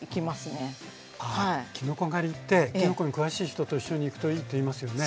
きのこ狩りってきのこに詳しい人と一緒に行くといいっていいますよね。